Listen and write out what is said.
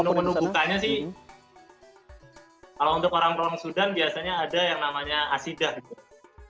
menu menu bukanya sih kalau untuk orang orang sudan biasanya ada yang namanya asidah gitu